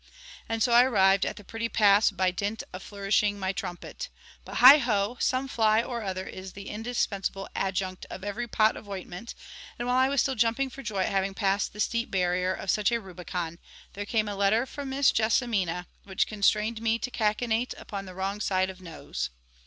And so I arrived at the pretty Pass by dint of flourishing my trumpet. But, heigho! some fly or other is the indispensable adjunct of every pot of ointment, and while I was still jumping for joy at having passed the steep barrier of such a Rubicon, there came a letter from Miss JESSIMINA which constrained me to cachinnate upon the wrong side of nose!